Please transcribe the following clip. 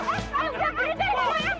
orang susah lihat bapak di pemulit